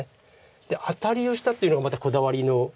でアタリをしたっていうのがまたこだわりの一手で。